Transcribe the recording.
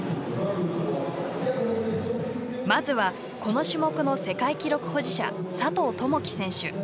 まずは、この種目の世界記録保持者、佐藤友祈選手。